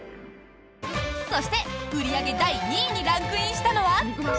そして、売り上げ第２位にランクインしたのは。